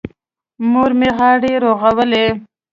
مور مې غاړې رغولې.